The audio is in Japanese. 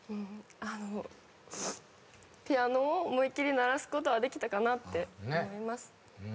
ピアノを思いっ切り鳴らすことはできたかなって思います。